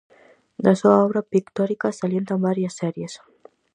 Da súa obra pictórica salientan varias series.